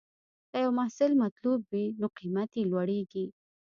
که یو محصول مطلوب وي، نو قیمت یې لوړېږي.